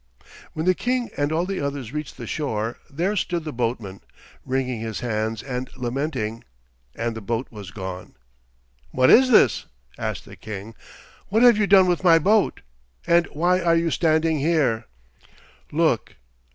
When the King and all the others reached the shore there stood the boatman, wringing his hands and lamenting, and the boat was gone. "What is this?" asked the King. "What have you done with my boat, and why are you standing here?" "Look!